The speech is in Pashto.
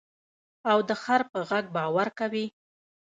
او د خر په غږ باور کوې.